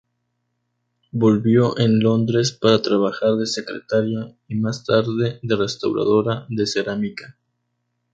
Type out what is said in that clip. Volvió en Londres para trabajar de secretaría, y más tarde de restauradora de cerámica.